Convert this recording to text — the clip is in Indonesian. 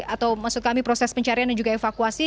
atau maksud kami proses pencarian dan juga evakuasi